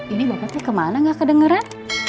ini bapaknya kemana gak kedengeran